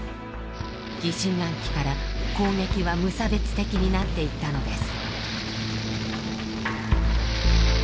疑心暗鬼から攻撃は無差別的になっていったのです。